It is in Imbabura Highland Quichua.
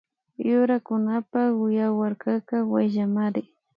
Yurakunapak yawarkaka wayllamari